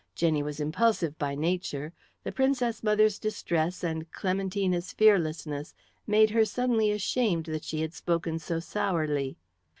Jenny was impulsive by nature. The Princess mother's distress and Clementina's fearlessness made her suddenly ashamed that she had spoken so sourly.